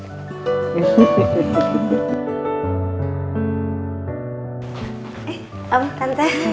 eh om tante